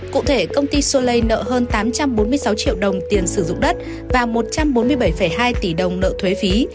cụ thể công ty solei nợ hơn tám trăm bốn mươi sáu triệu đồng tiền sử dụng đất và một trăm bốn mươi bảy hai tỷ đồng nợ thuế phí